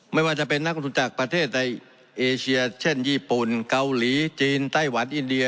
ไม่ว่าจะเป็นนักลงทุนจากประเทศในเอเชียเช่นญี่ปุ่นเกาหลีจีนไต้หวันอินเดีย